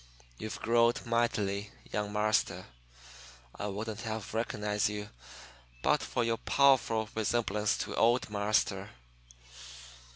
You've growed mightily, young marster. I wouldn't have reconnized you but for yo' powerful resemblance to old marster."